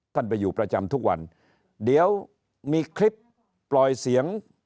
ไปอยู่ประจำทุกวันเดี๋ยวมีคลิปปล่อยเสียง